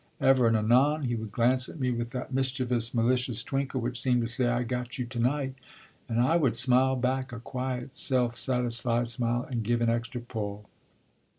Ever and anon he would glance at me with that mischievous, malicious twinkle, which seemed to say "I've got you tonight," and I would smile back a quiet, self satisfied smile and give an extra pull.